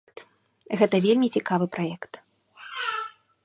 Гэта вельмі цікавы праект.